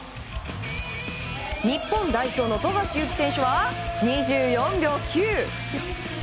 日本代表の富樫勇樹選手は２４秒９。